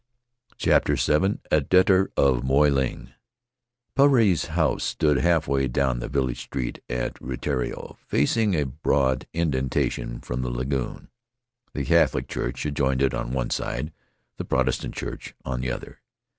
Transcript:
CHAPTER VII A Debtor of Moy Ling UAREI'S house stood halfway down the k village street at Rutiaro, facing a broad indentation from the lagoon. The Cath olic church adjoined it on one side, the Protestant church on the other.